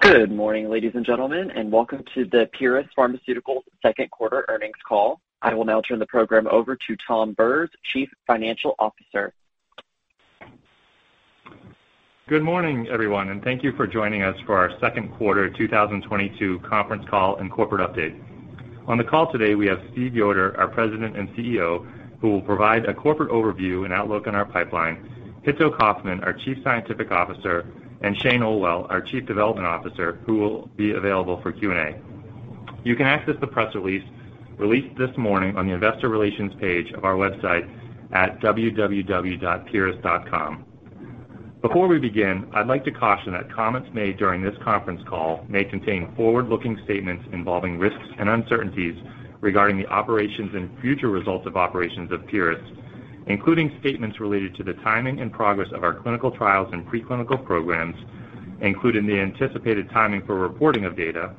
Good morning, ladies and gentlemen, and welcome to the Pieris Pharmaceuticals second quarter earnings call. I will now turn the program over to Tom Bures, Chief Financial Officer. Good morning, everyone, and thank you for joining us for our second quarter 2022 conference call and corporate update. On the call today, we have Stephen Yoder, our President and CEO, who will provide a corporate overview and outlook on our pipeline, Hitto Kaufmann, our Chief Scientific Officer, and Shane Olwill, our Chief Development Officer, who will be available for Q&A. You can access the press release released this morning on the investor relations page of our website at www.pieris.com. Before we begin, I'd like to caution that comments made during this conference call may contain forward-looking statements involving risks and uncertainties regarding the operations and future results of operations of Pieris, including statements related to the timing and progress of our clinical trials and preclinical programs, including the anticipated timing for reporting of data,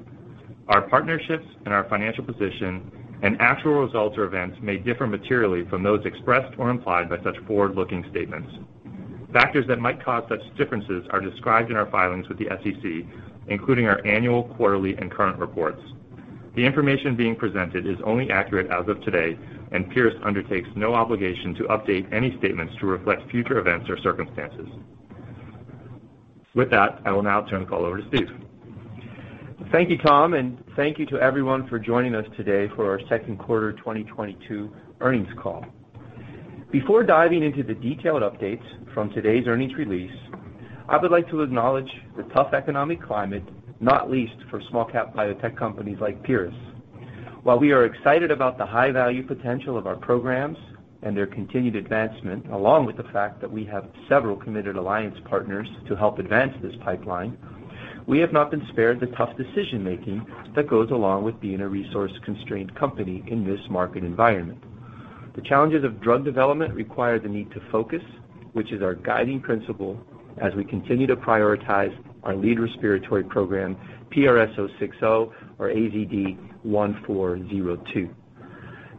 our partnerships and our financial position, and actual results or events may differ materially from those expressed or implied by such forward-looking statements. Factors that might cause such differences are described in our filings with the SEC, including our annual, quarterly, and current reports. The information being presented is only accurate as of today, and Pieris undertakes no obligation to update any statements to reflect future events or circumstances. With that, I will now turn the call over to Steve. Thank you, Tom, and thank you to everyone for joining us today for our second quarter 2022 earnings call. Before diving into the detailed updates from today's earnings release, I would like to acknowledge the tough economic climate, not least for small cap biotech companies like Pieris. While we are excited about the high value potential of our programs and their continued advancement, along with the fact that we have several committed alliance partners to help advance this pipeline, we have not been spared the tough decision making that goes along with being a resource-constrained company in this market environment. The challenges of drug development require the need to focus, which is our guiding principle as we continue to prioritize our lead respiratory program, PRS-060 or AZD1402.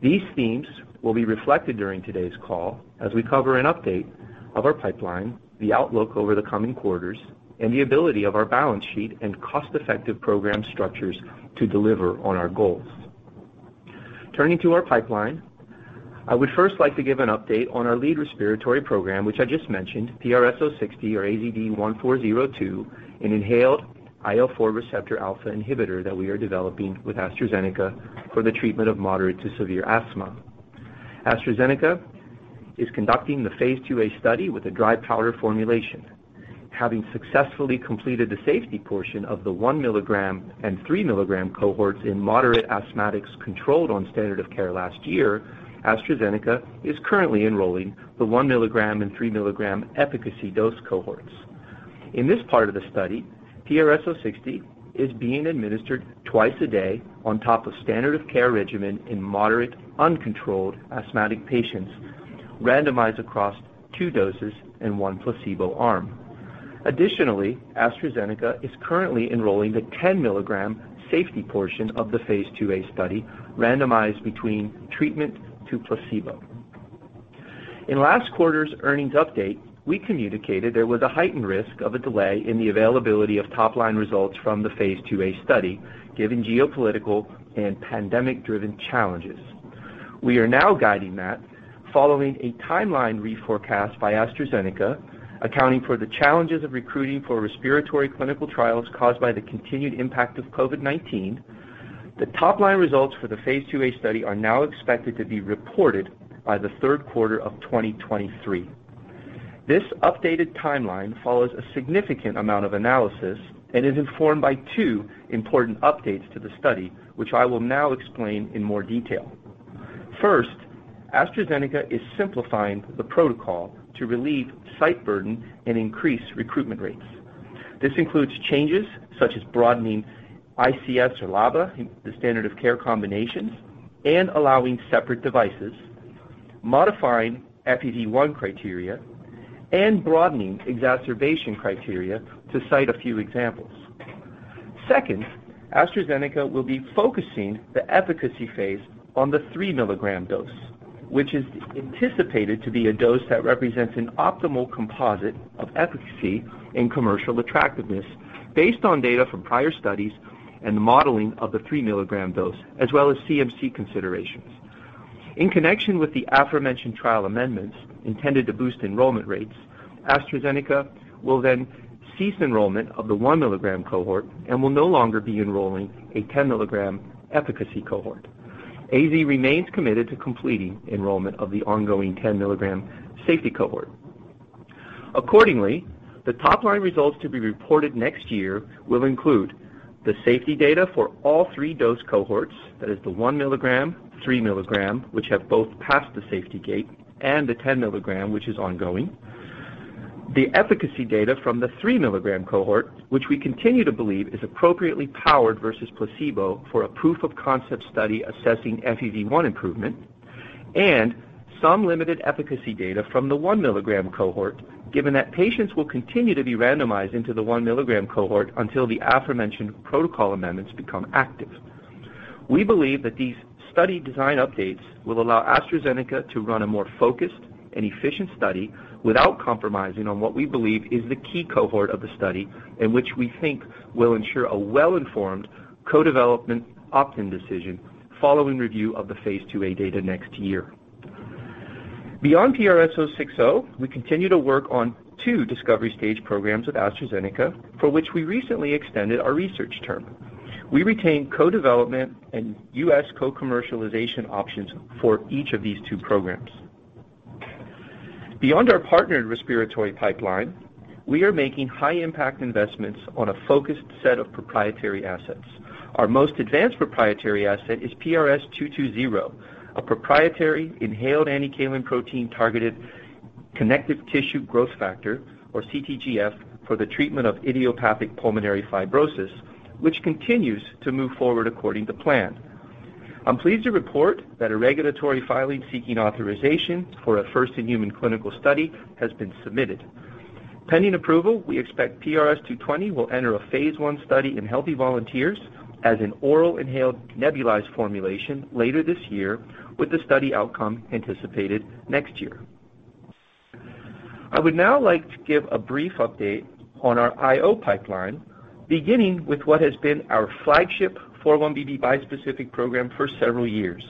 These themes will be reflected during today's call as we cover an update of our pipeline, the outlook over the coming quarters, and the ability of our balance sheet and cost-effective program structures to deliver on our goals. Turning to our pipeline, I would first like to give an update on our lead respiratory program, which I just mentioned, PRS-060 or AZD1402, an inhaled IL-4 receptor alpha inhibitor that we are developing with AstraZeneca for the treatment of moderate to severe asthma. AstraZeneca is conducting the phase II-A study with a dry powder formulation. Having successfully completed the safety portion of the 1 mg and 3 mg cohorts in moderate asthmatics controlled on standard of care last year, AstraZeneca is currently enrolling the 1 mg and 3 mg efficacy dose cohorts. In this part of the study, PRS-060 is being administered twice a day on top of standard of care regimen in moderate uncontrolled asthmatic patients randomized across two doses and one placebo arm. Additionally, AstraZeneca is currently enrolling the 10 mg safety portion of the phase II-A study randomized between treatment to placebo. In last quarter's earnings update, we communicated there was a heightened risk of a delay in the availability of top line results from the phase II-A study, given geopolitical and pandemic-driven challenges. We are now guiding that following a timeline reforecast by AstraZeneca accounting for the challenges of recruiting for respiratory clinical trials caused by the continued impact of COVID-19. The top line results for the phase II-A study are now expected to be reported by the third quarter of 2023. This updated timeline follows a significant amount of analysis and is informed by two important updates to the study, which I will now explain in more detail. First, AstraZeneca is simplifying the protocol to relieve site burden and increase recruitment rates. This includes changes such as broadening ICS or LABA in the standard of care combinations and allowing separate devices, modifying FEV1 criteria, and broadening exacerbation criteria to cite a few examples. Second, AstraZeneca will be focusing the efficacy phase on the 3 mg dose, which is anticipated to be a dose that represents an optimal composite of efficacy and commercial attractiveness based on data from prior studies and the modeling of the 3 mg dose, as well as CMC considerations. In connection with the aforementioned trial amendments intended to boost enrollment rates, AstraZeneca will then cease enrollment of the 1 mg cohort and will no longer be enrolling a 10 mg efficacy cohort. AZ remains committed to completing enrollment of the ongoing 10 mg safety cohort. Accordingly, the top line results to be reported next year will include the safety data for all three dose cohorts. That is the 1 mg, 3 mg, which have both passed the safety gate, and the 10 mg, which is ongoing. The efficacy data from the 3 mg cohort, which we continue to believe is appropriately powered versus placebo for a proof of concept study assessing FEV1 improvement and some limited efficacy data from the 1 mg cohort, given that patients will continue to be randomized into the 1 mg cohort until the aforementioned protocol amendments become active. We believe that these study design updates will allow AstraZeneca to run a more focused and efficient study without compromising on what we believe is the key cohort of the study and which we think will ensure a well-informed co-development opt-in decision following review of the phase II-A data next year. Beyond PRS-060, we continue to work on two discovery stage programs with AstraZeneca, for which we recently extended our research term. We retain co-development and U.S. co-commercialization options for each of these 2 programs. Beyond our partnered respiratory pipeline, we are making high-impact investments on a focused set of proprietary assets. Our most advanced proprietary asset is PRS-220, a proprietary inhaled Anticalin protein targeting connective tissue growth factor, or CTGF, for the treatment of idiopathic pulmonary fibrosis, which continues to move forward according to plan. I'm pleased to report that a regulatory filing seeking authorization for a first-in-human clinical study has been submitted. Pending approval, we expect PRS-220 will enter a phase I study in healthy volunteers as an oral inhaled nebulized formulation later this year, with the study outcome anticipated next year. I would now like to give a brief update on our IO pipeline, beginning with what has been our flagship 4-1BB bispecific program for several years,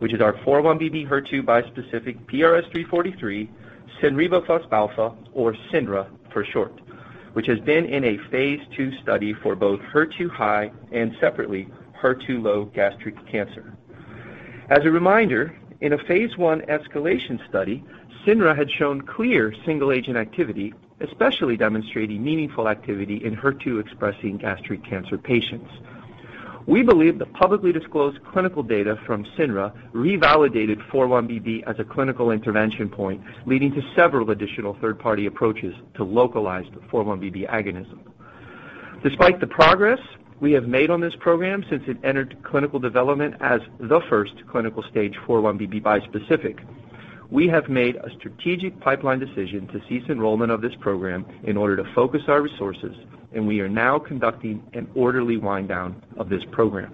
which is our 4-1BB HER2 bispecific PRS-343, cinrebafusp alfa, or SENRA for short, which has been in a phase II study for both HER2-high and separately HER2-low gastric cancer. As a reminder, in a phase I escalation study, SENRA had shown clear single-agent activity, especially demonstrating meaningful activity in HER2-expressing gastric cancer patients. We believe the publicly disclosed clinical data from SENRA revalidated 4-1BB as a clinical intervention point, leading to several additional third-party approaches to localized 4-1BB agonism. Despite the progress we have made on this program since it entered clinical development as the first clinical stage 4-1BB bispecific, we have made a strategic pipeline decision to cease enrollment of this program in order to focus our resources, and we are now conducting an orderly wind down of this program.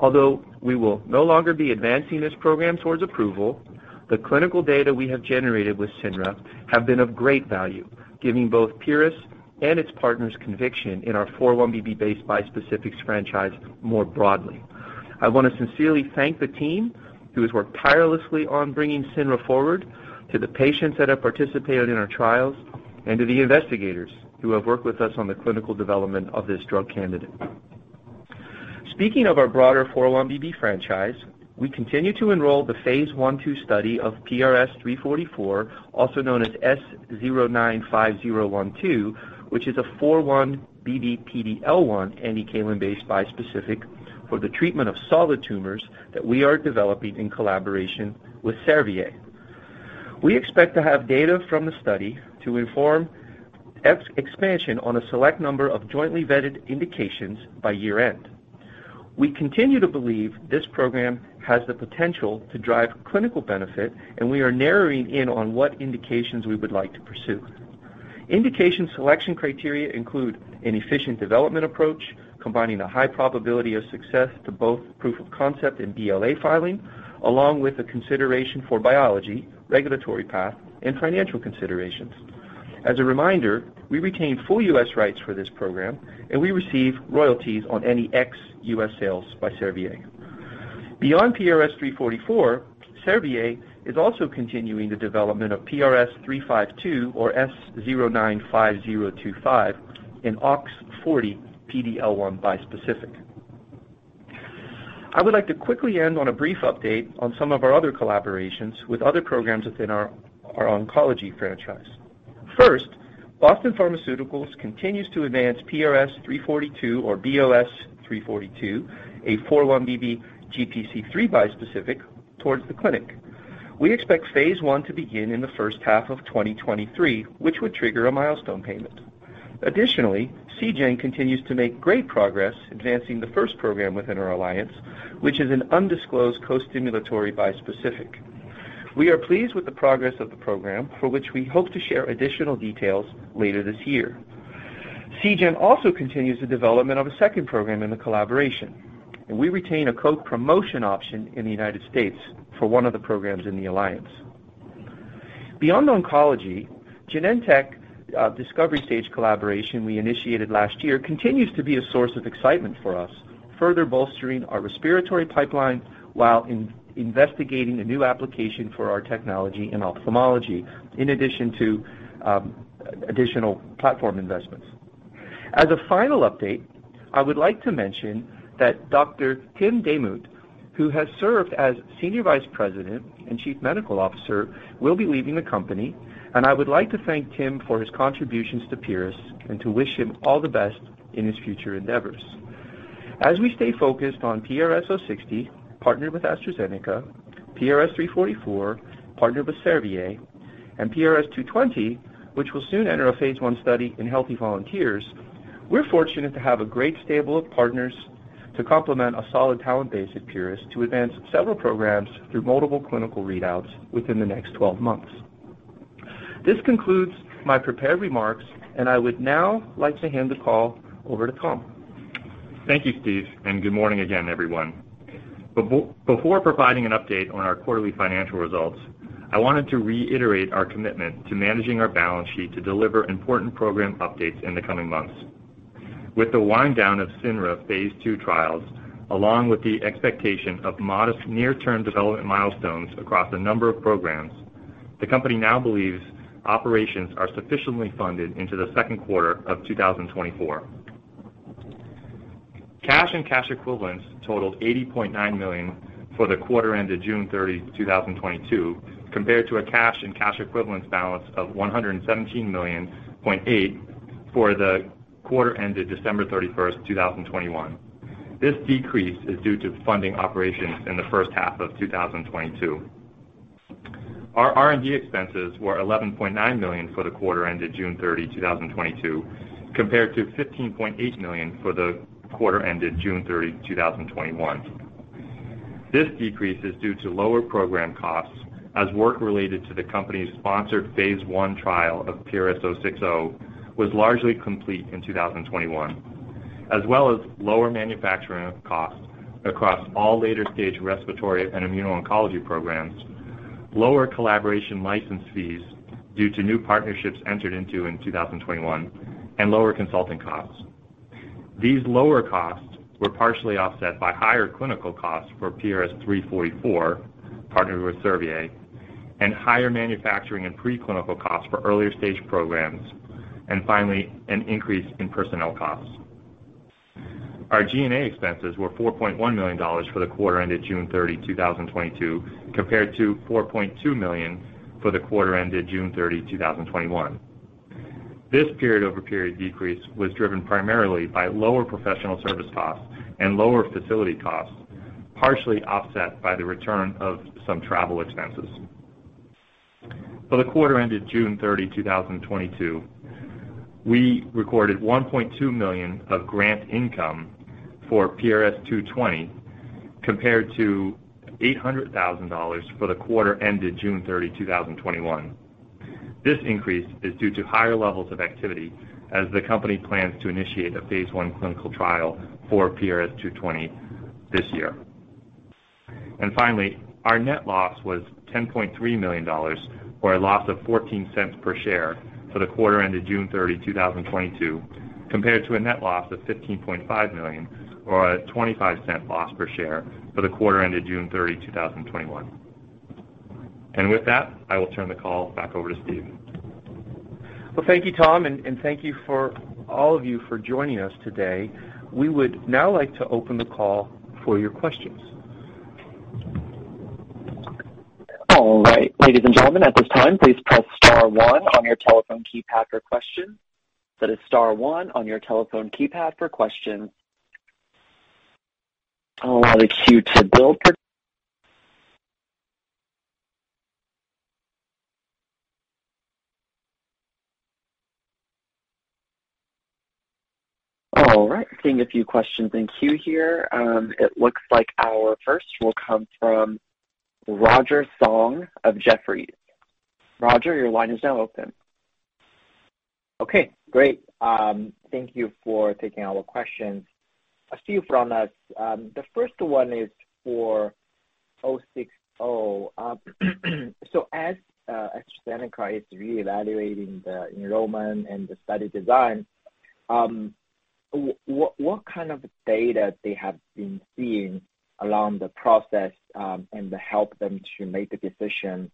Although we will no longer be advancing this program towards approval, the clinical data we have generated with cinrebafusp alfa have been of great value, giving both Pieris and its partners conviction in our 4-1BB-based bispecifics franchise more broadly. I want to sincerely thank the team who has worked tirelessly on bringing cinrebafusp alfa forward, to the patients that have participated in our trials, and to the investigators who have worked with us on the clinical development of this drug candidate. Speaking of our broader 4-1BB franchise, we continue to enroll the phase I/II study of PRS-344, also known as S095012, which is a 4-1BB PD-L1 Anticalin-based bispecific for the treatment of solid tumors that we are developing in collaboration with Servier. We expect to have data from the study to inform expansion on a select number of jointly vetted indications by year-end. We continue to believe this program has the potential to drive clinical benefit, and we are narrowing in on what indications we would like to pursue. Indication selection criteria include an efficient development approach, combining a high probability of success to both proof of concept and BLA filing, along with a consideration for biology, regulatory path, and financial considerations. As a reminder, we retain full U.S. rights for this program, and we receive royalties on any ex-U.S. sales by Servier. Beyond PRS-344, Servier is also continuing the development of PRS-352 or S095025 in OX40 PD-L1 bispecific. I would like to quickly end on a brief update on some of our other collaborations with other programs within our oncology franchise. First, Boston Pharmaceuticals continues to advance PRS-342 or BOS-342, a 4-1BB GPC3 bispecific towards the clinic. We expect phase I to begin in the first half of 2023, which would trigger a milestone payment. Additionally, Seagen continues to make great progress advancing the first program within our alliance, which is an undisclosed co-stimulatory bispecific. We are pleased with the progress of the program, for which we hope to share additional details later this year. Seagen also continues the development of a second program in the collaboration, and we retain a co-promotion option in the United States for one of the programs in the alliance. Beyond oncology, Genentech discovery stage collaboration we initiated last year continues to be a source of excitement for us, further bolstering our respiratory pipeline while investigating a new application for our technology in ophthalmology, in addition to additional platform investments. As a final update, I would like to mention that Dr. Tim Demuth, who has served as Senior Vice President and Chief Medical Officer, will be leaving the company, and I would like to thank Tim for his contributions to Pieris and to wish him all the best in his future endeavors. As we stay focused on PRS-060, partnered with AstraZeneca, PRS-344, partnered with Servier, and PRS-220, which will soon enter a phase I study in healthy volunteers, we're fortunate to have a great stable of partners to complement a solid talent base at Pieris to advance several programs through multiple clinical readouts within the next twelve months. This concludes my prepared remarks, and I would now like to hand the call over to Tom. Thank you, Steve, and good morning again, everyone. Before providing an update on our quarterly financial results, I wanted to reiterate our commitment to managing our balance sheet to deliver important program updates in the coming months. With the wind down of SENRA phase II trials, along with the expectation of modest near-term development milestones across a number of programs, the company now believes operations are sufficiently funded into the second quarter of 2024. Cash and cash equivalents totaled $80.9 million for the quarter ended June 30, 2022, compared to a cash and cash equivalents balance of $117.8 million for the quarter ended December 31, 2021. This decrease is due to funding operations in the first half of 2022. Our R&D expenses were $11.9 million for the quarter ended June 30, 2022, compared to $15.8 million for the quarter ended June 30, 2021. This decrease is due to lower program costs as work related to the company's sponsored phase I trial of PRS-060 was largely complete in 2021, as well as lower manufacturing costs across all later stage respiratory and immuno-oncology programs, lower collaboration license fees due to new partnerships entered into in 2021, and lower consulting costs. These lower costs were partially offset by higher clinical costs for PRS-344, partnered with Servier, and higher manufacturing and pre-clinical costs for earlier stage programs, and finally, an increase in personnel costs. Our G&A expenses were $4.1 million for the quarter ended June 30, 2022, compared to $4.2 million for the quarter ended June 30, 2021. This period-over-period decrease was driven primarily by lower professional service costs and lower facility costs, partially offset by the return of some travel expenses. For the quarter ended June 30, 2022, we recorded $1.2 million of grant income for PRS-220, compared to $800,000 for the quarter ended June 30, 2021. This increase is due to higher levels of activity as the company plans to initiate a phase I clinical trial for PRS-220 this year. Finally, our net loss was $10.3 million or a loss of $0.14 per share for the quarter ended June 30, 2022, compared to a net loss of $15.5 million or a $0.25 loss per share for the quarter ended June 30, 2021. With that, I will turn the call back over to Steve. Well, thank you, Tom, and thank you for all of you for joining us today. We would now like to open the call for your questions. All right. Ladies and gentlemen, at this time, please press star one on your telephone keypad for questions. That is star one on your telephone keypad for questions. I'll allow the queue to build. All right. Seeing a few questions in queue here. It looks like our first will come from Roger Song of Jefferies. Roger, your line is now open. Okay, great. Thank you for taking all the questions. A few from us. The first one is for 060. As AstraZeneca is reevaluating the enrollment and the study design, what kind of data they have been seeing along the process, and to help them to make the decision,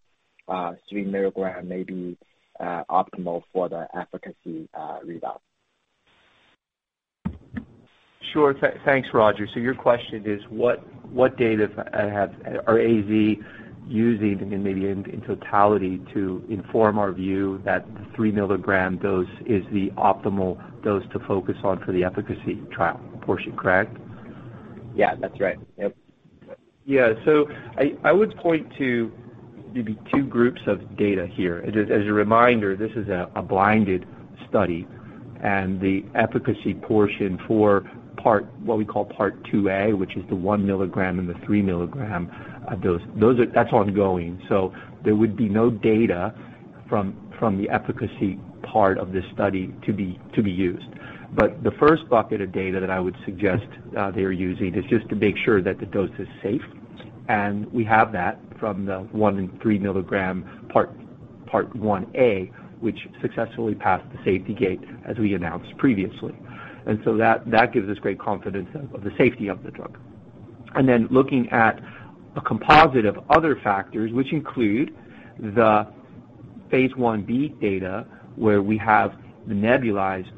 3 mg may be optimal for the efficacy readout? Sure. Thanks, Roger. Your question is what data are AZ using and maybe in totality to inform our view that 3 mg dose is the optimal dose to focus on for the efficacy trial portion, correct? Yeah, that's right. Yep. Yeah. I would point to maybe two groups of data here. As a reminder, this is a blinded study and the efficacy portion for part, what we call Part 2A, which is the 1 mg and the 3 mg dose. That's ongoing. There would be no data from the efficacy part of this study to be used. The first bucket of data that I would suggest they are using is just to make sure that the dose is safe. We have that from the 1 and 3 mg part, Part 1A, which successfully passed the safety gate as we announced previously. That gives us great confidence of the safety of the drug. Then looking at a composite of other factors, which include the phase I-B data, where we have the nebulized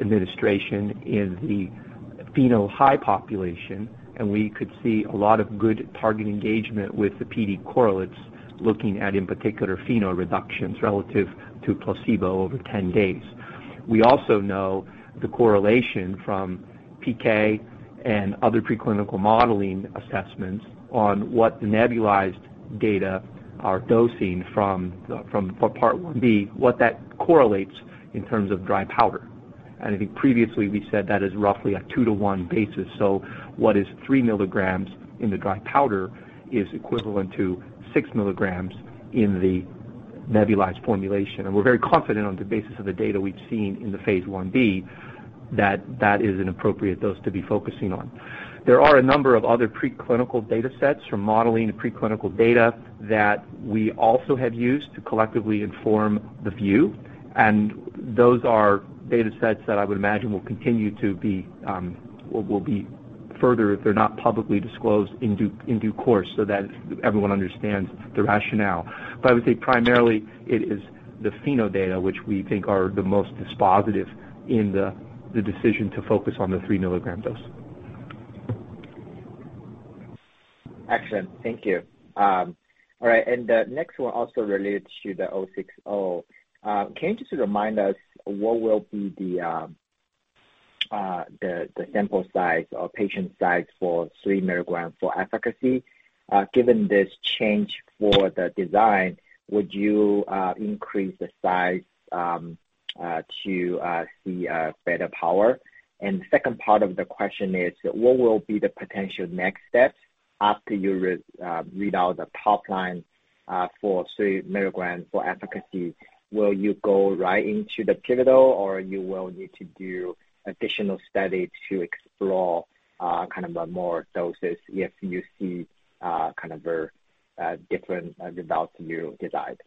administration in the FeNO high population, and we could see a lot of good target engagement with the PD correlates, looking at, in particular, FeNO reductions relative to placebo over 10 days. We also know the correlation from PK and other preclinical modeling assessments on what the nebulized data are dosing for Part 1b, what that correlates in terms of dry powder. I think previously we said that is roughly a two to one basis. What is 3 mgs in the dry powder is equivalent to 6 mgs in the nebulized formulation. We're very confident on the basis of the data we've seen in the phase I-B that that is an appropriate dose to be focusing on. There are a number of other preclinical data sets from modeling preclinical data that we also have used to collectively inform the view, and those are data sets that I would imagine will continue to be, or will be further, if they're not publicly disclosed in due course so that everyone understands the rationale. I would say primarily it is the FeNO data, which we think are the most dispositive in the decision to focus on the 3-mg dose. Excellent. Thank you. The next one also relates to the PRS-060. Can you just remind us what will be the sample size or patient size for 3 mgs for efficacy? Given this change for the design, would you increase the size to see a better power? The second part of the question is, what will be the potential next steps after you read out the top line for 3 mgs for efficacy? Will you go right into the pivotal, or you will need to do additional study to explore kind of a more doses if you see kind of a different result you desired?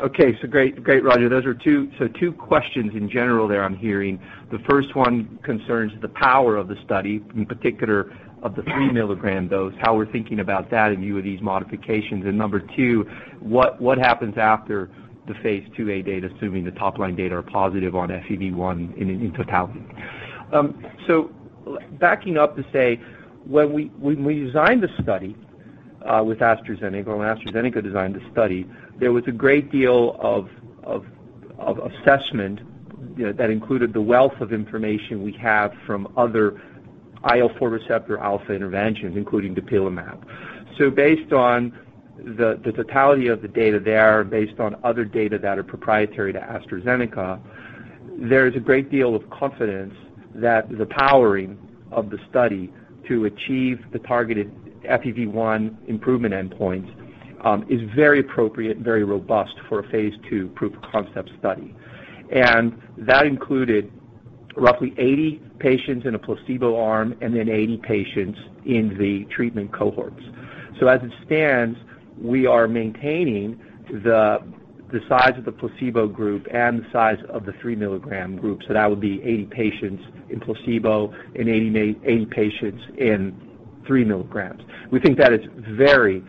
Okay. Great, Roger. Those are two questions in general there I'm hearing. The first one concerns the power of the study, in particular of the 3-mg dose, how we're thinking about that in view of these modifications. Number two, what happens after the phase II-A data, assuming the top-line data are positive on FEV1 in totality? Backing up to say when we designed the study, with AstraZeneca or when AstraZeneca designed the study, there was a great deal of assessment, you know, that included the wealth of information we have from other IL-4 receptor alpha interventions, including dupilumab. Based on the totality of the data there, based on other data that are proprietary to AstraZeneca, there is a great deal of confidence that the powering of the study to achieve the targeted FEV1 improvement endpoints is very appropriate and very robust for a phase II proof-of-concept study. That included roughly 80 patients in a placebo arm and then 80 patients in the treatment cohorts. As it stands, we are maintaining the size of the placebo group and the size of the 3-mg group. That would be 80 patients in placebo and 80 patients in 3 mgs. We think that is very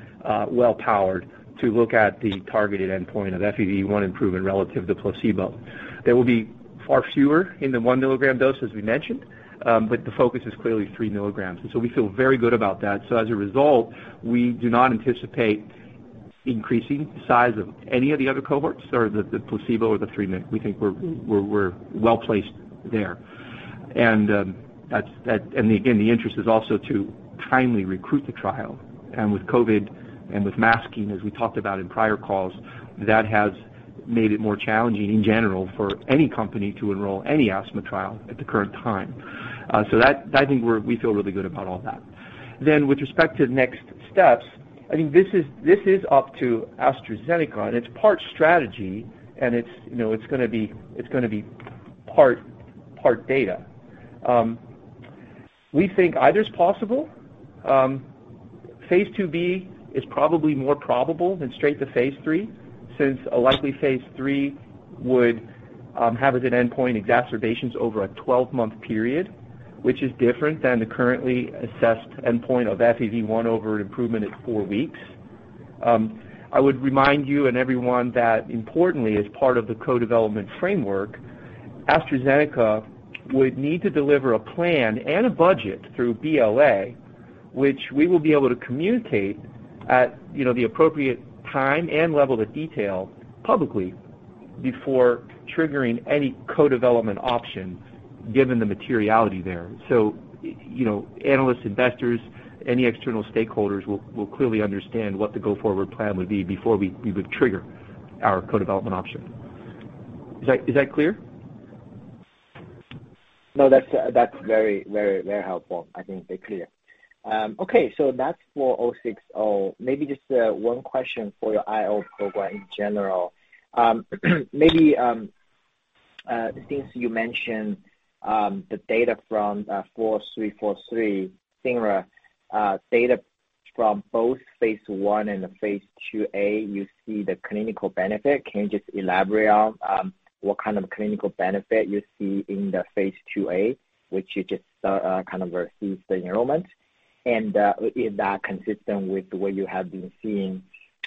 well powered to look at the targeted endpoint of FEV1 improvement relative to placebo. There will be far fewer in the 1 mg dose, as we mentioned, but the focus is clearly 3 mgs, and we feel very good about that. As a result, we do not anticipate increasing the size of any of the other cohorts or the placebo or the 3 mg. We think we're well-placed there. The interest is also to timely recruit the trial. With COVID and with masking, as we talked about in prior calls, that has made it more challenging in general for any company to enroll any asthma trial at the current time. We feel really good about all that. With respect to next steps, I think this is up to AstraZeneca, and it's part strategy and it's, you know, it's gonna be part data. We think either is possible. phase II-B is probably more probable than straight to phase III, since a likely phase III would have as an endpoint exacerbations over a 12-month period, which is different than the currently assessed endpoint of FEV1 over an improvement at four weeks. I would remind you and everyone that importantly, as part of the co-development framework, AstraZeneca would need to deliver a plan and a budget through BLA, which we will be able to communicate at, you know, the appropriate time and level of detail publicly before triggering any co-development option given the materiality there. You know, analysts, investors, any external stakeholders will clearly understand what the go-forward plan would be before we would trigger our co-development option. Is that clear? No. That's very helpful. I think they're clear. Okay, so that's for 060. Maybe just one question for your IO program in general. Since you mentioned the data from 343, there data from both phase I and the phase II-A, you see the clinical benefit. Can you just elaborate on what kind of clinical benefit you see in the phase II-A, which you just kind of received the enrollment? And is that consistent with the way you have been seeing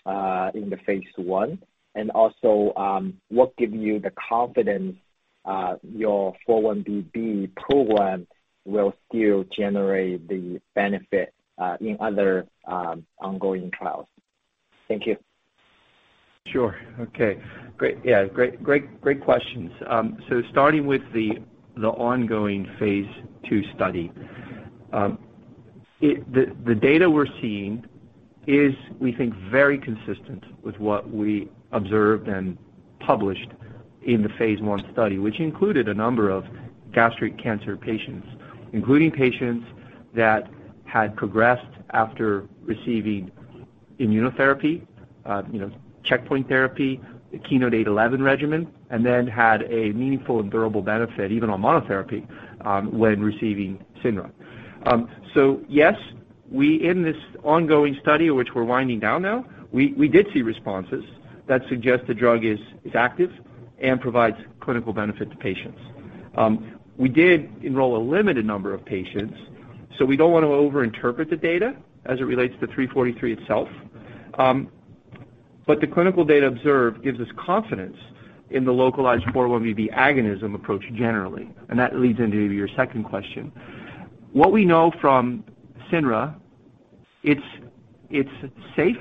in the phase I? And also, what give you the confidence your 4-1BB program will still generate the benefit in other ongoing trials? Thank you. Sure. Okay. Great. Yeah. Great questions. Starting with the ongoing phase II study. The data we're seeing is, we think, very consistent with what we observed and published in the phase I study, which included a number of gastric cancer patients, including patients that had progressed after receiving immunotherapy, you know, checkpoint therapy, the KEYNOTE-811 regimen, and then had a meaningful and durable benefit even on monotherapy, when receiving cinrebafusp alfa. Yes, in this ongoing study, which we're winding down now, we did see responses that suggest the drug is active and provides clinical benefit to patients. We did enroll a limited number of patients, so we don't wanna overinterpret the data as it relates to PRS-343 itself. The clinical data observed gives us confidence in the localized 4-1BB agonism approach generally. That leads into your second question. What we know from cinrebafusp alfa, it's safe,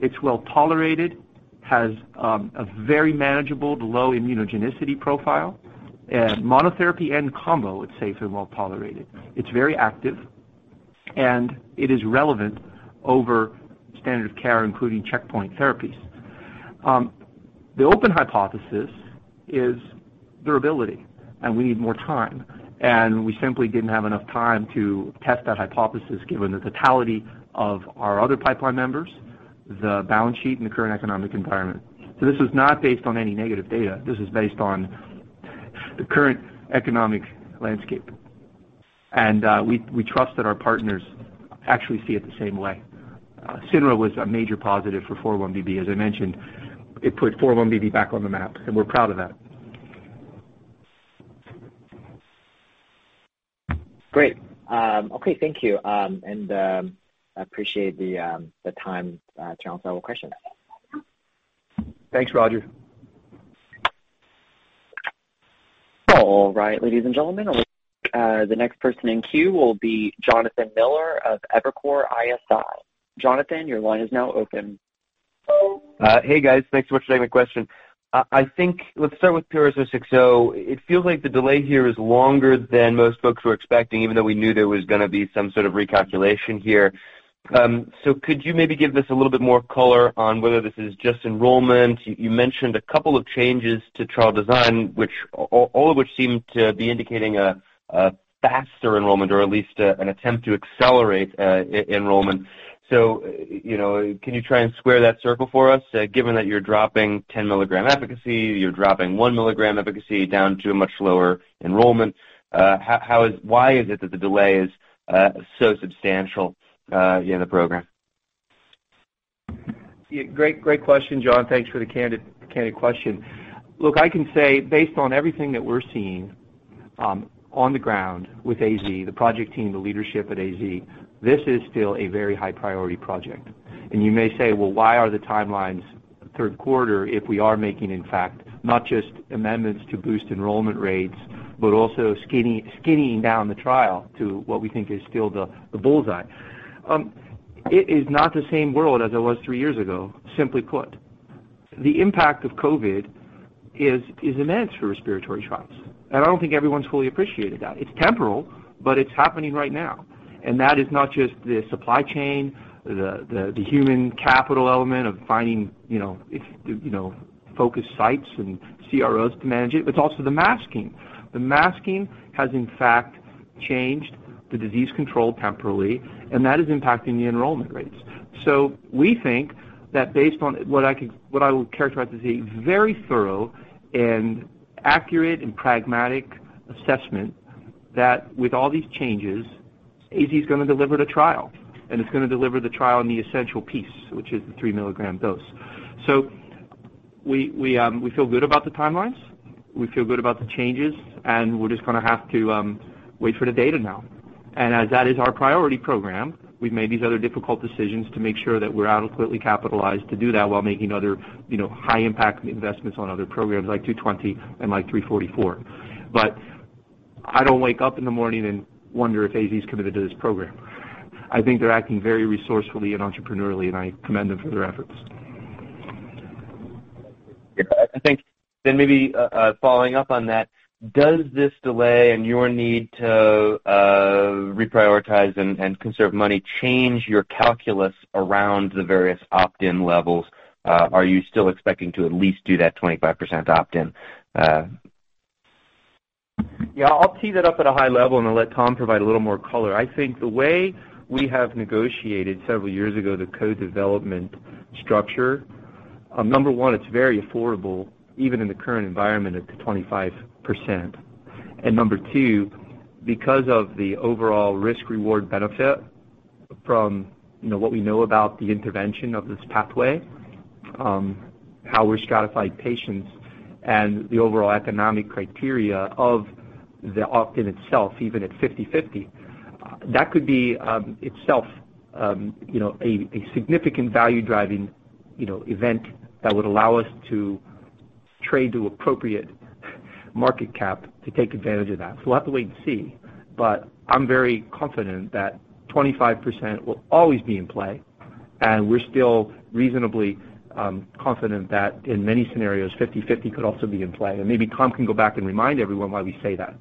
it's well tolerated, has a very manageable low immunogenicity profile, monotherapy and combo, it's safe and well tolerated. It's very active, and it is relevant over standard of care, including checkpoint therapies. The open hypothesis is durability, and we need more time, and we simply didn't have enough time to test that hypothesis given the totality of our other pipeline members, the balance sheet in the current economic environment. This is not based on any negative data. This is based on the current economic landscape. We trust that our partners actually see it the same way. Cinrebafusp alfa was a major positive for 4-1BB. As I mentioned, it put 4-1BB back on the map, and we're proud of that. Great. Okay, thank you. I appreciate the time to answer our question. Thanks, Roger. All right, ladies and gentlemen, the next person in queue will be Jonathan Miller of Evercore ISI. Jonathan, your line is now open. Hey, guys. Thanks so much for taking my question. I think let's start with PRS-060. It feels like the delay here is longer than most folks were expecting, even though we knew there was gonna be some sort of recalculation here. Could you maybe give us a little bit more color on whether this is just enrollment? You mentioned a couple of changes to trial design, which, all of which seem to be indicating a faster enrollment or at least an attempt to accelerate enrollment. You know, can you try and square that circle for us, given that you're dropping 10 mg efficacy, you're dropping 1 mg efficacy down to a much lower enrollment. Why is it that the delay is so substantial in the program? Yeah. Great question, Jon. Thanks for the candid question. Look, I can say based on everything that we're seeing on the ground with AZ, the project team, the leadership at AZ, this is still a very high priority project. You may say, "Well, why are the timelines third quarter if we are making, in fact, not just amendments to boost enrollment rates, but also skinning down the trial to what we think is still the bullseye?" It is not the same world as it was three years ago, simply put. The impact of COVID is immense for respiratory trials, and I don't think everyone's fully appreciated that. It's temporal, but it's happening right now. That is not just the supply chain, the human capital element of finding, you know, it's, you know, focus sites and CROs to manage it, but also the masking. The masking has in fact changed the disease control temporally, and that is impacting the enrollment rates. We think that based on what I would characterize as a very thorough and accurate and pragmatic assessment, that with all these changes, AZ is gonna deliver the trial, and it's gonna deliver the trial in the essential piece, which is the 3 mg dose. We feel good about the timelines, we feel good about the changes, and we're just gonna have to wait for the data now. As that is our priority program, we've made these other difficult decisions to make sure that we're adequately capitalized to do that while making other, you know, high impact investments on other programs like 220 and like 344. I don't wake up in the morning and wonder if AZ is committed to this program. I think they're acting very resourcefully and entrepreneurially, and I commend them for their efforts. Yeah. I think maybe, following up on that, does this delay and your need to reprioritize and conserve money change your calculus around the various opt-in levels? Are you still expecting to at least do that 25% opt-in? Yeah. I'll tee that up at a high level, and I'll let Tom provide a little more color. I think the way we have negotiated several years ago the co-development structure, number one, it's very affordable even in the current environment at the 25%. Number two, because of the overall risk/reward benefit from, you know, what we know about the intervention of this pathway, how we stratify patients and the overall economic criteria of the opt-in itself, even at 50/50, that could be, itself, you know, a significant value driving, you know, event that would allow us to trade to appropriate market cap to take advantage of that. We'll have to wait and see, but I'm very confident that 25% will always be in play. We're still reasonably confident that in many scenarios, 50/50 could also be in play. Maybe Tom can go back and remind everyone why we say that.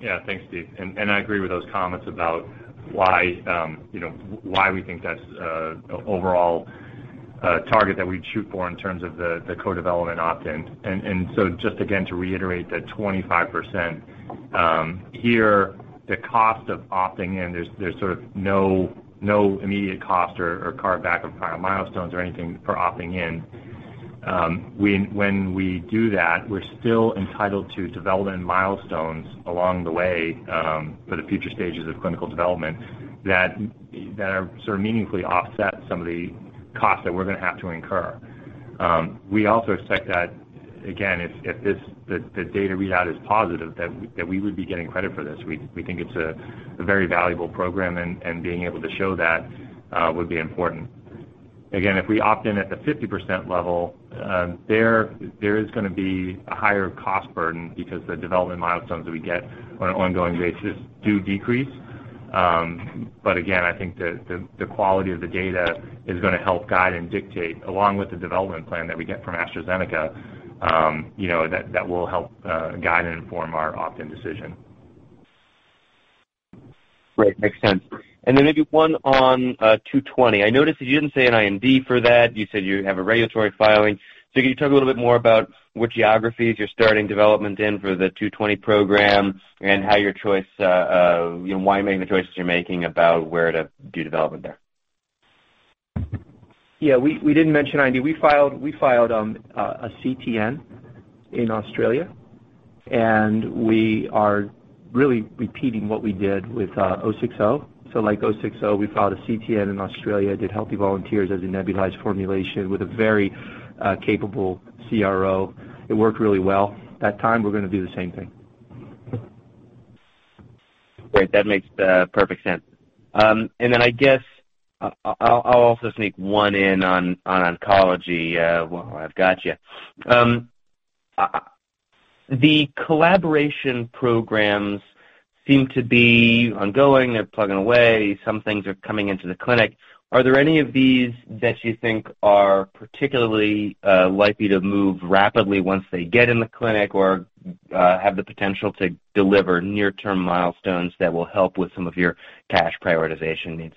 Yeah. Thanks, Steve. I agree with those comments about why, you know, why we think that's overall target that we'd shoot for in terms of the co-development opt-in. Just again to reiterate that 25% here, the cost of opting in, there's sort of no immediate cost or carve back of prior milestones or anything for opting in. When we do that, we're still entitled to development milestones along the way for the future stages of clinical development that are sort of meaningfully offset some of the costs that we're gonna have to incur. We also expect that, again, if the data readout is positive, that we would be getting credit for this. We think it's a very valuable program, and being able to show that would be important. Again, if we opt in at the 50% level, there is gonna be a higher cost burden because the development milestones that we get on an ongoing basis do decrease. Again, I think the quality of the data is gonna help guide and dictate, along with the development plan that we get from AstraZeneca, you know, that will help guide and inform our opt-in decision. Great. Makes sense. Maybe one on 220. I noticed that you didn't say an IND for that. You said you have a regulatory filing. Can you talk a little bit more about what geographies you're starting development in for the two twenty program and how your choice, why you're making the choices you're making about where to do development there? Yeah. We didn't mention IND. We filed a CTN in Australia, and we are really repeating what we did with PRS-060. Like PRS-060, we filed a CTN in Australia, did healthy volunteers as a nebulized formulation with a very capable CRO. It worked really well that time. We're gonna do the same thing. Great. That makes perfect sense. I guess I'll also sneak one in on oncology while I've got you. The collaboration programs seem to be ongoing. They're plugging away. Some things are coming into the clinic. Are there any of these that you think are particularly likely to move rapidly once they get in the clinic or have the potential to deliver near-term milestones that will help with some of your cash prioritization needs?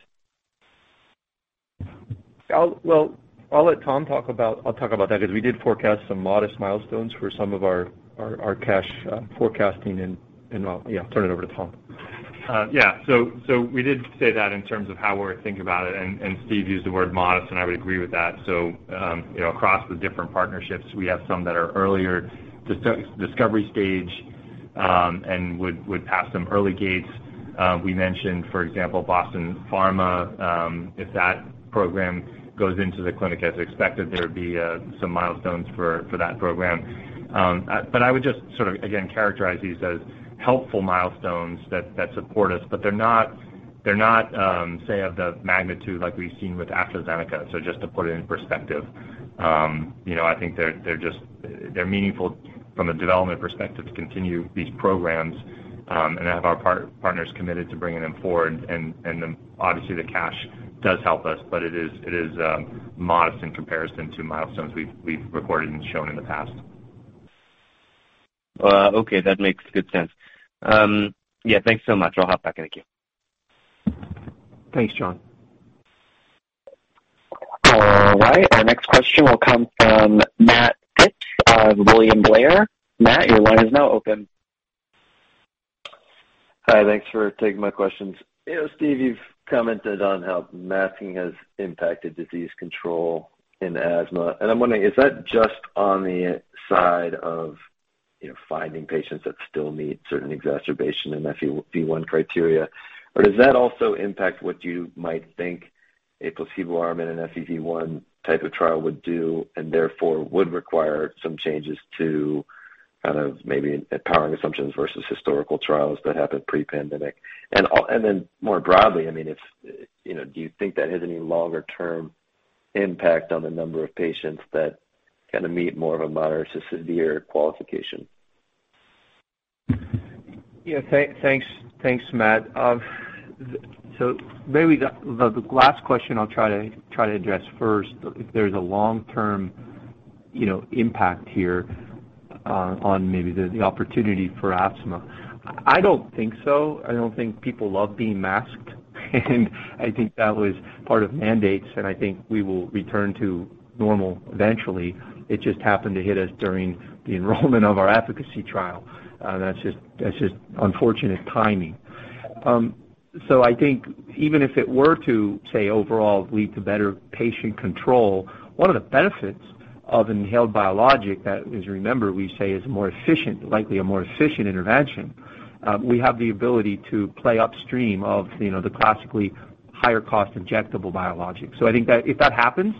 Well, I'll talk about that because we did forecast some modest milestones for some of our cash forecasting and well, yeah, turn it over to Tom. Yeah, we did say that in terms of how we're thinking about it, and Steve used the word modest, and I would agree with that. You know, across the different partnerships, we have some that are early discovery stage and would pass some early gates. We mentioned, for example, Boston Pharmaceuticals. If that program goes into the clinic as expected, there would be some milestones for that program. But I would just sort of, again, characterize these as helpful milestones that support us, but they're not of the magnitude like we've seen with AstraZeneca. Just to put it in perspective. You know, I think they're just meaningful from a development perspective to continue these programs and have our partners committed to bringing them forward. Obviously the cash does help us, but it is modest in comparison to milestones we've reported and shown in the past. Okay. That makes good sense. Yeah, thanks so much. I'll hop back in the queue. Thanks, Jon. All right. Our next question will come from Matt Schultz of William Blair. Matt, your line is now open. Hi. Thanks for taking my questions. You know, Steve, you've commented on how masking has impacted disease control in asthma, and I'm wondering, is that just on the side of, you know, finding patients that still meet certain exacerbation and FEV1 criteria? Or does that also impact what you might think a placebo arm in an FEV1 type of trial would do and therefore would require some changes to kind of maybe powering assumptions versus historical trials that happened pre-pandemic? Then more broadly, I mean, if, you know, do you think that has any longer term impact on the number of patients that kind of meet more of a moderate to severe qualification? Yeah. Thanks, Matt. So maybe the last question I'll try to address first, if there's a long-term, you know, impact here, on maybe the opportunity for asthma. I don't think so. I don't think people love being masked. I think that was part of mandates, and I think we will return to normal eventually. It just happened to hit us during the enrollment of our efficacy trial. That's just unfortunate timing. So I think even if it were to, say, overall lead to better patient control, one of the benefits of inhaled biologic that is, remember, we say is more efficient, likely a more efficient intervention, we have the ability to play upstream of, you know, the classically higher cost injectable biologics. I think that if that happens,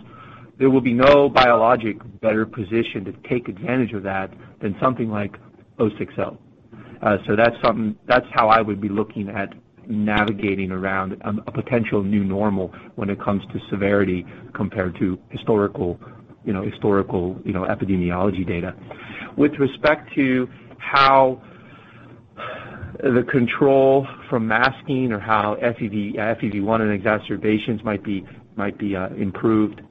there will be no biologic better positioned to take advantage of that than something like PRS-060. That's how I would be looking at navigating around a potential new normal when it comes to severity compared to historical, you know, epidemiology data. With respect to how the control from masking or how FEV1 and exacerbations might be improved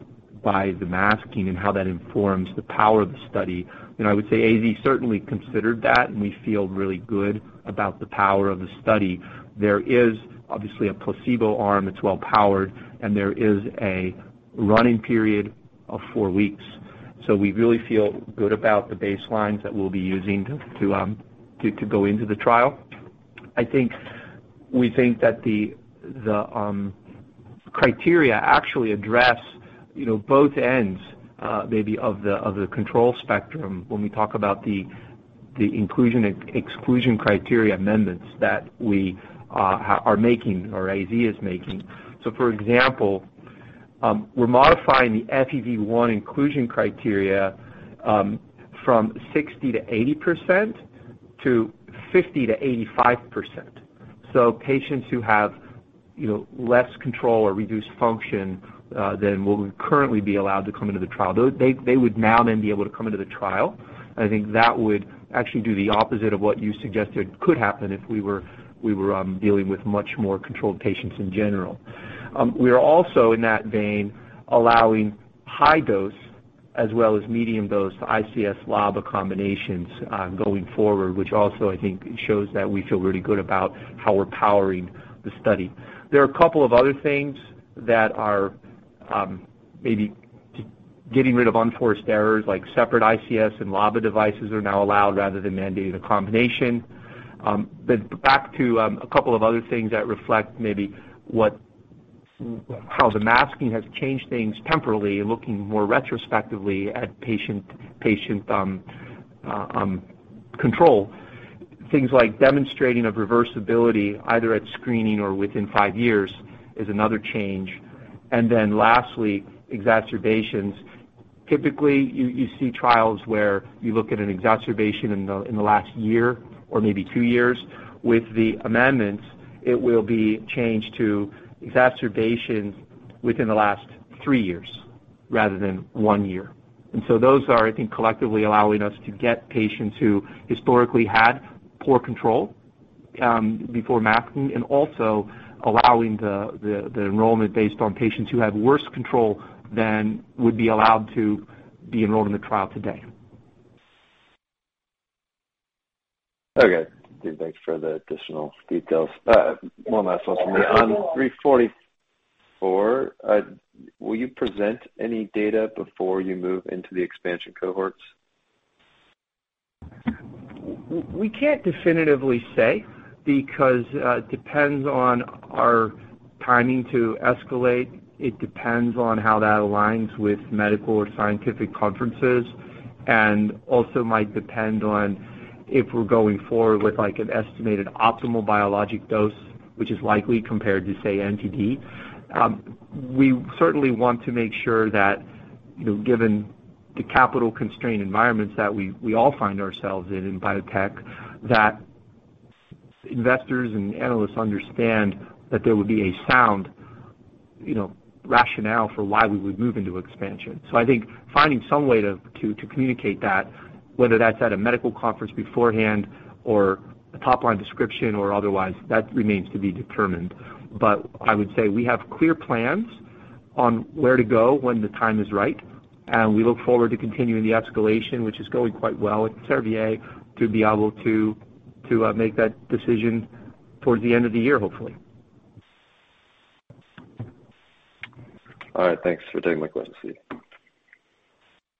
by the masking and how that informs the power of the study. You know, I would say AZ certainly considered that, and we feel really good about the power of the study. There is obviously a placebo arm. It's well powered, and there is a run-in period of four weeks. We really feel good about the baselines that we'll be using to go into the trial. I think we think that the criteria actually address, you know, both ends maybe of the control spectrum when we talk about the inclusion and exclusion criteria amendments that we are making or AZ is making. For example, we're modifying the FEV1 inclusion criteria from 60%-80% to 50%-85%. Patients who have, you know, less control or reduced function than what would currently be allowed to come into the trial, they would now then be able to come into the trial. I think that would actually do the opposite of what you suggested could happen if we were dealing with much more controlled patients in general. We are also in that vein, allowing high dose as well as medium dose ICS/LABA combinations going forward, which also I think shows that we feel really good about how we're powering the study. There are a couple of other things that are maybe getting rid of unforced errors like separate ICS and LABA devices are now allowed rather than mandating a combination. Back to a couple of other things that reflect maybe how the masking has changed things temporally, looking more retrospectively at patient control. Things like demonstrating of reversibility either at screening or within five years is another change. Lastly, exacerbations. Typically, you see trials where you look at an exacerbation in the last year or maybe two years. With the amendments, it will be changed to exacerbations within the last three years rather than one year. Those are, I think, collectively allowing us to get patients who historically had poor control, before masking and also allowing the enrollment based on patients who have worse control than would be allowed to be enrolled in the trial today. Okay. Thanks for the additional details. One last one for me. On 344, will you present any data before you move into the expansion cohorts? We can't definitively say because it depends on our timing to escalate. It depends on how that aligns with medical or scientific conferences, and also might depend on if we're going forward with like an estimated optimal biologic dose, which is likely compared to, say, MTD. We certainly want to make sure that, you know, given the capital-constrained environments that we all find ourselves in in biotech, that investors and analysts understand that there would be a sound, you know, rationale for why we would move into expansion. I think finding some way to communicate that, whether that's at a medical conference beforehand or a top-line description or otherwise, that remains to be determined. I would say we have clear plans on where to go when the time is right, and we look forward to continuing the escalation, which is going quite well with Servier, to be able to make that decision towards the end of the year, hopefully. All right. Thanks for taking my questions.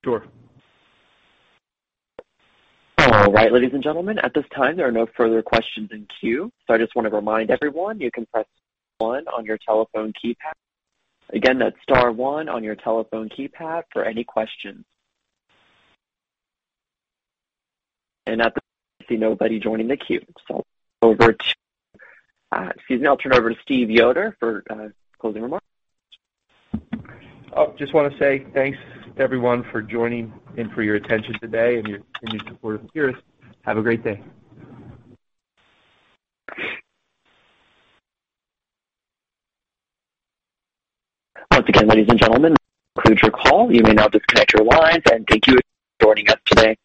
Sure. All right, ladies and gentlemen, at this time, there are no further questions in queue. I just wanna remind everyone you can press one on your telephone keypad. Again, that's star one on your telephone keypad for any questions. I see nobody joining the queue. Over to. Excuse me. I'll turn over to Stephen Yoder for closing remarks. Oh, just wanna say thanks everyone for joining and for your attention today and your support of Pieris. Have a great day. Once again, ladies and gentlemen, this concludes your call. You may now disconnect your lines. Thank you for joining us today.